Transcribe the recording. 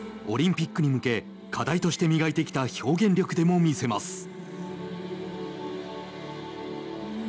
オリンピックに向け課題として磨いてきた表現力でも見せます。